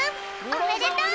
おめでとう！